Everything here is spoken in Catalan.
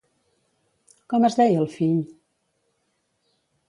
Com es deia el fill?